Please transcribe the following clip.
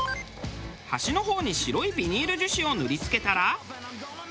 端の方に白いビニール樹脂を塗り付けたら。